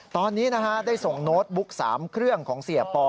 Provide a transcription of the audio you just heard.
ตอนนี้ได้ส่งโน้ตบุ๊ก๓เครื่องของเสียปอ